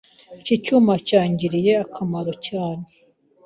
Iki cyuma cyangiriye akamaro cyane.